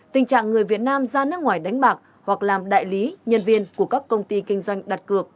tình trạng người việt nam ra nước ngoài đánh bạc hoặc làm đại lý nhân viên của các công ty kinh doanh đặt cược